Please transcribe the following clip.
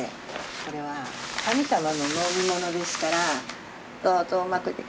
これは神様の飲み物ですからどうぞうまくできますように。